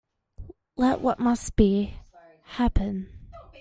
Let what must be, happen.